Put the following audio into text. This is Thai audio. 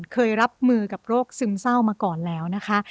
เคยรับมือกับโรคซึมเศร้ามาก่อนแล้วนะคะ